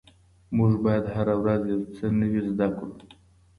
موږ باید هره ورځ یو څه نوي زده کړو.